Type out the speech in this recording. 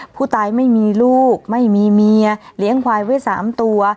ผู้ตายไม่มีลูกไม่มีเมียเหลี้ยงควายไว้สามตัว